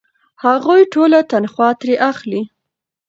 هغوی ټوله تنخوا ترې اخلي.